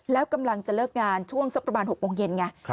แล้วกำลังจะเลิกงานช่วงสักประมาณ๖โมงเย็นไง